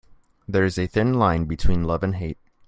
There is a thin line between love and hate.